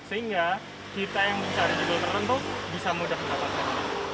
sehingga kita yang mencari judul tertentu bisa mudah mendapatkan